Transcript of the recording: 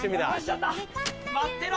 待ってろ！